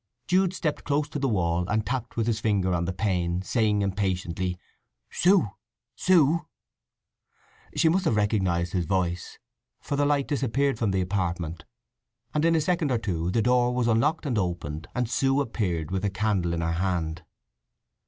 Jude stepped close to the wall, and tapped with his finger on the pane, saying impatiently, "Sue, Sue!" She must have recognized his voice, for the light disappeared from the apartment, and in a second or two the door was unlocked and opened, and Sue appeared with a candle in her hand.